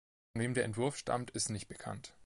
Von wem der Entwurf stammt ist nicht bekannt.